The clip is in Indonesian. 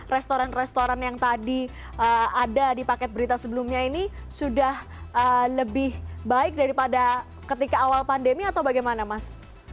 restoran restoran yang tadi ada di paket berita sebelumnya ini sudah lebih baik daripada ketika awal pandemi atau bagaimana mas